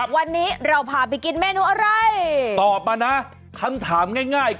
วันนี้เราพาไปกินเมนูอะไรตอบมานะคำถามง่าย